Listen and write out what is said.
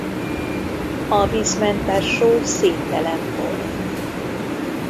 A vízmentes só színtelen por.